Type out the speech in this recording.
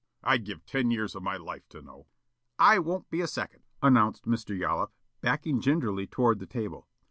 "I'd give ten years of my life to know, " "I won't be a second," announced Mr. Yollop, backing gingerly toward the table.